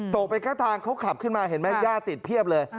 ตกไปข้างทางเขาขับขึ้นมาเห็นไหมย่าติดเพียบเลย